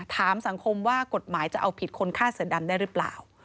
ถามสังคมว่ากฎหมายจะเอาผิดคนฆ่าเสือดำได้หรือเปล่า